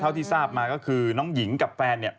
เท่าที่ทราบมาก็คือน้องหญิงกับแฟน